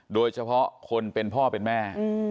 โดยเฉพาะคนเป็นพ่อเป็นแม่